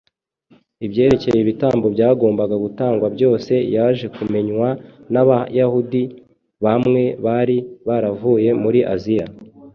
ibyerekeye ibitambo byagombaga gutangwa byose, yaje kumenywa n’Abayahudi bamwe bari baravuye muri Asiya.